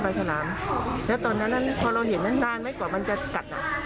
ก็จักเท้าแล้วมาปลาติดเท้า๑๙๗๑